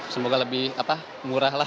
semoga lebih murah lah